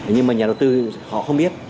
nhưng mà nhà đầu tư họ không biết